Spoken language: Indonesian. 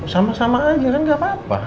sama sama aja kan gapapa